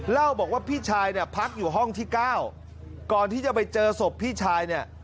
เล่าบอกว่าพี่ชายเนี่ยพักอยู่ห้องที่๙ก่อนที่จะไปเจอศพพี่ชายเนี่ย